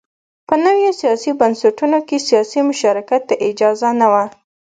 په نویو سیاسي بنسټونو کې سیاسي مشارکت ته اجازه نه وه.